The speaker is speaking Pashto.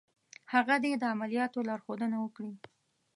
هغه دې د عملیاتو لارښودنه وکړي.